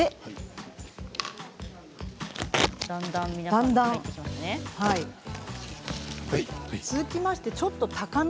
だんだん皆さん入っていきましたね。